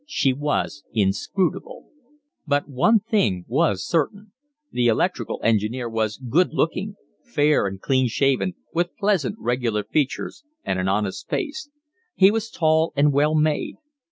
She was inscrutable. But one thing was certain: the electrical engineer was good looking, fair and clean shaven, with pleasant, regular features, and an honest face; he was tall and well made.